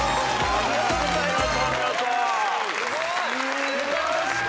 ありがとうございます。